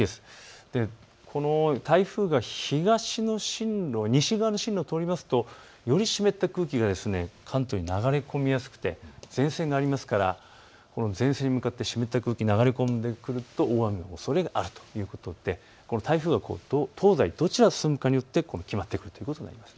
この台風が西側の進路を通るとより湿った空気が関東に流れ込みやすくて前線がありますからこの前線に向かって湿った空気が流れ込んでくると大雨のおそれがあるということで台風が東西どちらに進むかによって決まってくるんです。